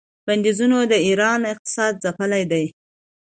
بندیزونو د ایران اقتصاد ځپلی دی.